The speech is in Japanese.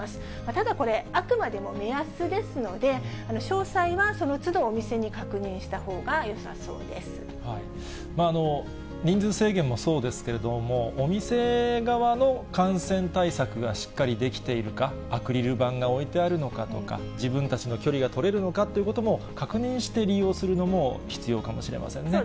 ただこれ、あくまでも目安ですので、詳細はそのつど、お店に確認人数制限もそうですけれども、お店側の感染対策がしっかりできているか、アクリル板が置いてあるのかとか、自分たちの距離が取れるのかということも確認して利用するのも必要かもしれませんね。